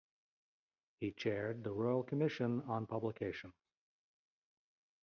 He chaired the Royal Commission on Publications.